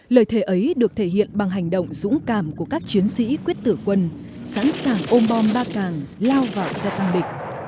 lời thề ấy được thể hiện bằng hành động dũng cảm của các chiến sĩ quyết tử quân sẵn sàng ôm bom ba càng lao vào gia tăng địch